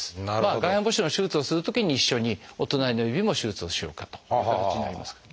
外反母趾の手術をするときに一緒にお隣の指も手術をしようかという形になりますかね。